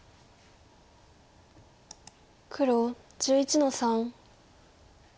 黒１１の三。